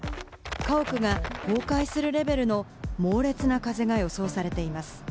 家屋が崩壊するレベルの猛烈な風が予想されています。